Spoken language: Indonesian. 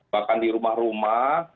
bahkan di rumah rumah